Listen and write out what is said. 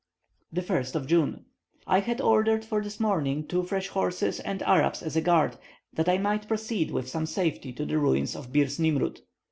1st June. I had ordered for this morning two fresh horses and Arabs as a guard, that I might proceed with some safety to the ruins of Birs Nimroud.